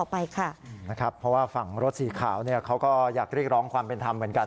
เพราะว่าฝั่งรถสีขาวเนี่ยเขาก็อยากเรียกร้องความเป็นธรรมเหมือนกัน